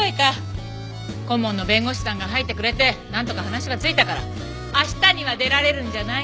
顧問の弁護士さんが入ってくれてなんとか話はついたから明日には出られるんじゃない？